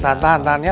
tahan ya tahan ya